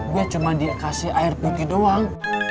gue cuma dikasih air buki doang